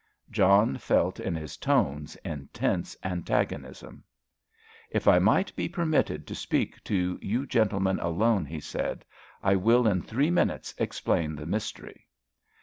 John felt in his tones intense antagonism. "If I might be permitted to speak to you gentlemen alone," he said, "I will in three minutes explain the mystery."